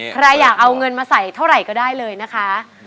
ใครอยากเอาเงินมาใส่เท่าไหร่ก็ได้เลยนะคะ